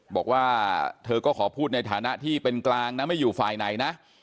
บอกว่าเธอก็ขอพูดในฐานะที่เป็นกลางนะไม่อยู่ฝ่ายไหนนะ